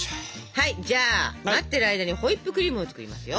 はいじゃあ待ってる間にホイップクリームを作りますよ。